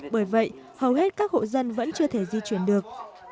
bởi vậy hầu hết các hộ dân vẫn chưa thể di chuyển được